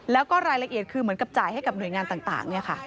แล้วก็รายละเอียดคือเหมือนกับจ่ายให้กับหน่วยงานต่าง